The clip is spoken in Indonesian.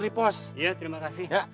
iya terima kasih